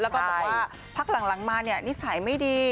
แล้วก็แบบว่าพักลังมานิสัยไม่ดี